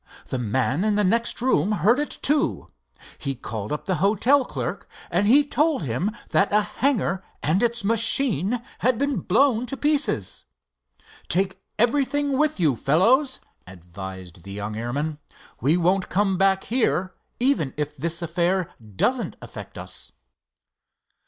The man in the next room heard it, too. He called up the hotel clerk, and he told him that a hangar and its machine had been blown to pieces. Take everything with you, fellows," advised the young airman. "We won't come back here, even if this affair doesn't affect us."